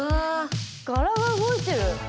柄が動いてる！